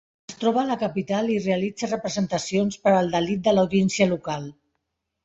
Es troba a la capital i realitza representacions per al delit de l'audiència local.